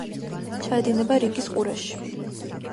ჩაედინება რიგის ყურეში.